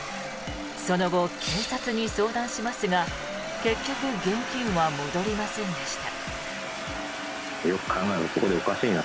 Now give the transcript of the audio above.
その後、警察に相談しますが結局、現金は戻りませんでした。